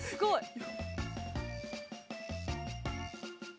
すごい。